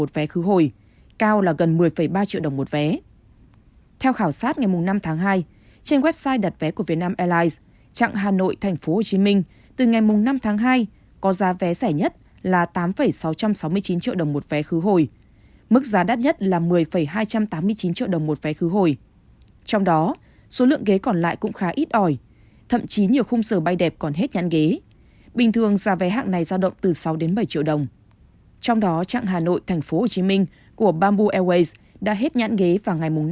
với hãng vietjet air trạng hà nội tp hcm vào ngày năm tháng hai mùng sáu tháng hai chỉ còn một ghế với giá là năm ba mươi sáu triệu đồng một vé khứ hồi chưa bao gồm các loại phí